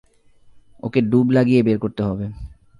ওকে ডুব লাগিয়ে বের করতে হবে।